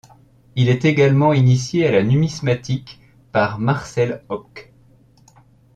Il y est également initié à la numismatique par Marcel Hoc.